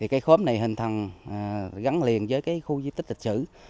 cây khóm này hình thành gắn liền với khu di tích lịch sử